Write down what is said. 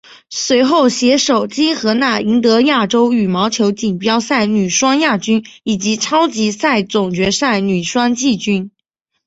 随后携手金荷娜赢得亚洲羽毛球锦标赛女双亚军以及超级赛总决赛女双季军。